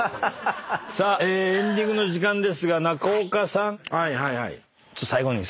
さあエンディングの時間ですが中岡さん。